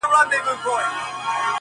وجود چي د ژوند ټوله محبت خاورې ايرې کړ~